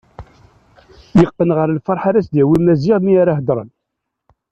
Yeqqen ɣer lferḥ ara s-d-yawi Maziɣ mi ara heddren.